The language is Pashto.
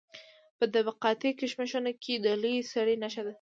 په طبقاتي کشمکشونو کې د لوی سړي نښه ده.